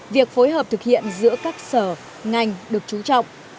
việc phối hợp thực hiện giữa các sở ngành được trú trọng